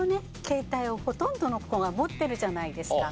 携帯をほとんどの子が持ってるじゃないですか。